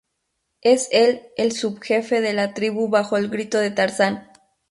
Es el el sub-jefe de la tribu bajo el grito de Tarzán.